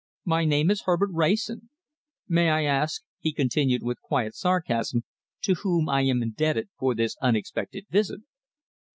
My name is Herbert Wrayson. May I ask," he continued with quiet sarcasm, "to what I am indebted for this unexpected visit?"